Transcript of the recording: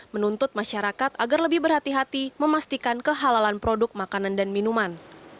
menuntut masyarakat agar lebih berhati hati memastikan kehalalan produk makanan dan minuman